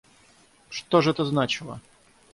Что ж это значило?